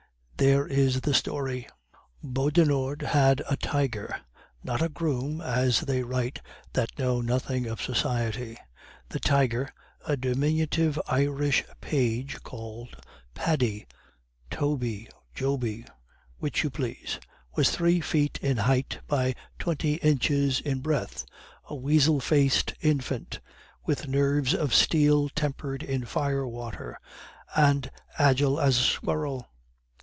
There is the story: "Beaudenord had a tiger, not a 'groom,' as they write that know nothing of society. The tiger, a diminutive Irish page called Paddy, Toby, Joby (which you please), was three feet in height by twenty inches in breadth, a weasel faced infant, with nerves of steel tempered in fire water, and agile as a squirrel.